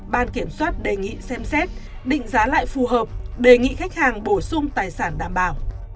ban kiểm soát đề nghị xem xét định giá lại phù hợp đề nghị khách hàng bổ sung tài sản đảm bảo